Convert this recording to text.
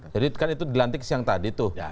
jadi kan itu di lantik siang tadi tuh